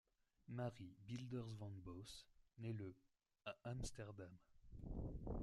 Marie Bilders-van Bosse naît le à Amsterdam.